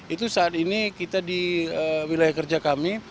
itu saat ini kita di wilayah kerja kami